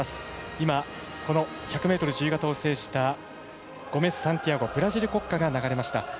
今、この１００ｍ自由形を制したゴメスサンティアゴブラジル国歌が流れました。